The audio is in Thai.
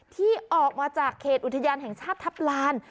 ที่ออกมาจากเขตอุทยานแห่งชาติทัพลาน